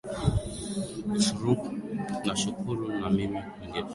nashukuru na mimi ningependa nianze kwa kukusalimia kama ulivyoanza wewe kunisalimia nurdi